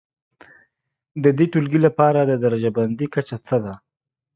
د دې ټولګي لپاره د درجه بندي کچه څه ده؟